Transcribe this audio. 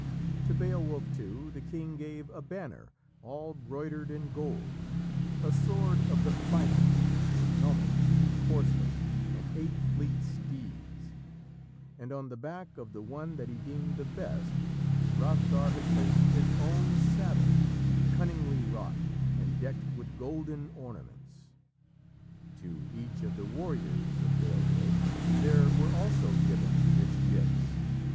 To Beowulf, too, the king gave a banner, all broidered in gold, a sword of the finest, with helmet and corselet, and eight fleet steeds, and on the back of the one that he deemed the best Hrothgar had placed his own saddle, cunningly wrought, and decked with golden ornaments. To each of the warriors of Beowulf there were also given rich gifts.